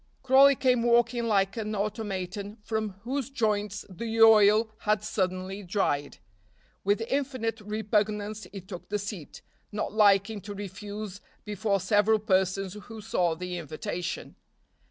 Crawley came walking like an automaton from whose joints the oil had suddenly dried. With infinite repugnance he took the seat, not liking to refuse before several persons who saw the invitation.